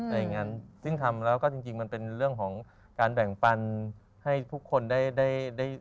อย่างนั้นซึ่งทำแล้วก็จริงจริงมันเป็นเรื่องของการแบ่งปันให้ทุกคนได้ได้